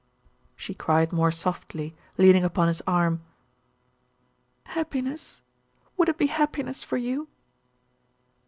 She cried more softly, leaning upon his arm. "Happiness? Would it be happiness for you?"